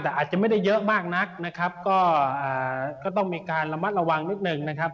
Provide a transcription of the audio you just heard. แต่อาจจะไม่ได้เยอะมากนักนะครับก็ต้องมีการระมัดระวังนิดหนึ่งนะครับ